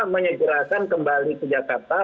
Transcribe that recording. menyegerakan kembali ke jakarta